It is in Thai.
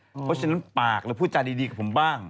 เพราะฉะนั้นปากหรือพูดจาดีกับผมบ้าง